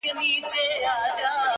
دردونه ژبه نه لري چي خلک وژړوم؛